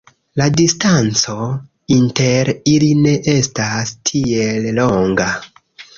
La distanco inter ili ne estas tiel longa.